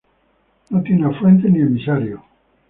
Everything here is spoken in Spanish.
No tiene afluentes ni emisarios.